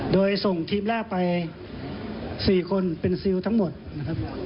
โดยส่งทีมแรกไป๔คนเป็นซิลทั้งหมดนะครับ